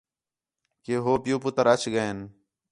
کہ ہو پِیؤ پُتر اَچ ڳئین